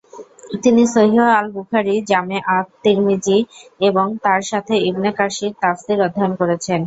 তিনি সহিহ আল-বুখারী, জামে আত-তিরমিযী এবং তাঁর সাথে ইবনে কাসির তাফসির অধ্যয়ন করেছেন।